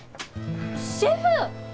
シェフ！